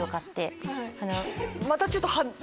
またちょっと派手。